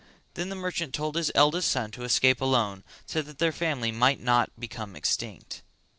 Then the merchant told his eldest son to escape alone so that their family might not become extinct.